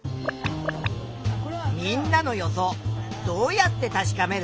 みんなの予想どうやって確かめる？